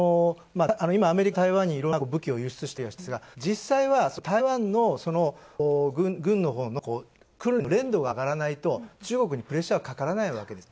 今、アメリカは台湾にいろんな武器を輸出したりはしてるわけですが、実際は、台湾の軍のほうの訓練の練度が上がらないと、中国にプレッシャーはかからないわけですね。